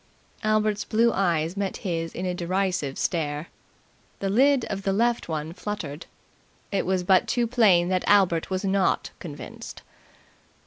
Albert's blue eyes met his in a derisive stare. The lid of the left one fluttered. It was but too plain that Albert was not convinced.